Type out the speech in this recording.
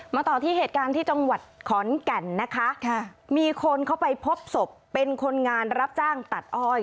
ต่อที่เหตุการณ์ที่จังหวัดขอนแก่นนะคะมีคนเข้าไปพบศพเป็นคนงานรับจ้างตัดอ้อย